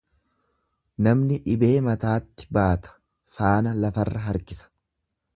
Namni dhibee mataatti baata, faana lafarra harkisa.